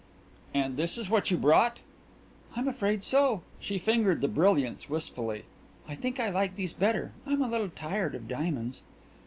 "And this is what you brought?" "I'm afraid so." She fingered the brilliants wistfully. "I think I like these better. I'm a little tired of diamonds."